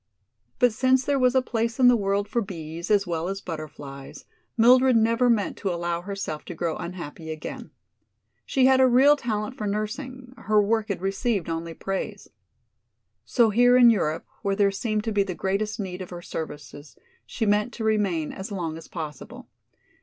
But since there was a place in the world for bees as well as butterflies, Mildred never meant to allow herself to grow unhappy again. She had a real talent for nursing; her work had received only praise. So here in Europe, where there seemed to be the greatest need of her services, she meant to remain as long as possible.